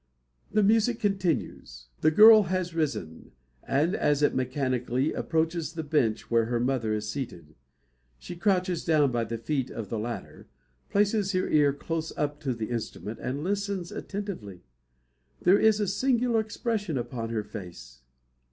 The music continues. The girl has risen, and, as it mechanically, approaches the bench where her mother is seated. She crouches down by the feet of the latter, places her ear close up to the instrument, and listens attentively. There is a singular expression upon her face.